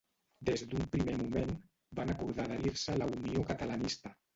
Des d'un primer moment van acordar adherir-se a la Unió Catalanista.